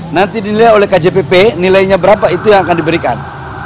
nanti dilihat oleh kjpp nilainya berapa itu yang akan diberikan